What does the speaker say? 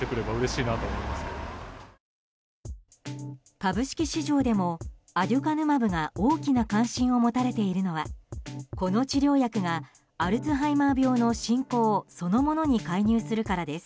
株式市場でもアデュカヌマブが大きな関心を持たれているのはこの治療薬がアルツハイマー病の進行そのものに介入するからです。